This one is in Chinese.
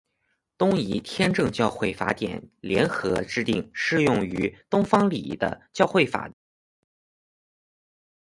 东仪天主教会法典联合制定适用于东方礼仪的教会法的法典之名称。